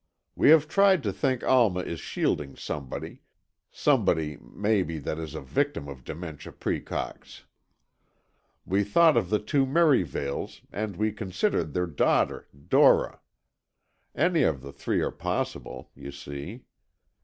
We have tried to think Alma is shielding somebody, somebody maybe that is a victim of dementia praecox. We thought of the two Merivales and we considered their daughter, Dora. Any of the three are possible, you see.